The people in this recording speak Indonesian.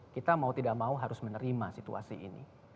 kita mau tidak mau harus menerima situasi ini